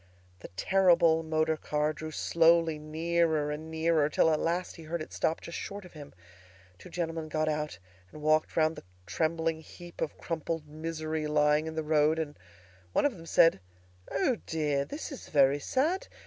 The terrible motor car drew slowly nearer and nearer, till at last he heard it stop just short of him. Two gentlemen got out and walked round the trembling heap of crumpled misery lying in the road, and one of them said, "O dear! this is very sad!